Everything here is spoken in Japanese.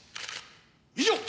以上！